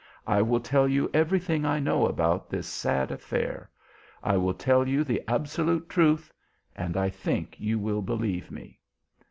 I will tell you everything I know about this sad affair. I will tell you the absolute truth, and I think you will believe me."